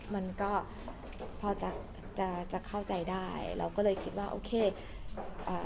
มันก็พอจะจะเข้าใจได้เราก็เลยคิดว่าโอเคอ่า